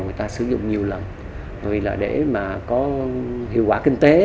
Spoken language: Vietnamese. người ta sử dụng nhiều lần rồi là để mà có hiệu quả kinh tế